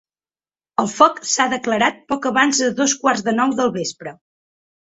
El foc s’ha declarat poc abans de dos quarts de nou del vespre.